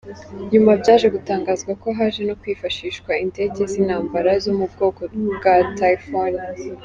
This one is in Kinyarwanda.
Nyuma byaje gutangazwa ko haje no kwifashishwa indege z’intambara zo mubwoko bwa Typhoon.